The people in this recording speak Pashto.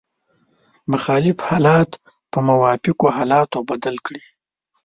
مخالف حالات په موافقو حالاتو بدل کړئ.